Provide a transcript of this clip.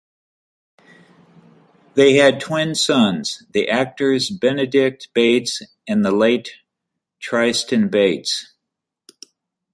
They had twin sons - the actors Benedick Bates and the late Tristan Bates.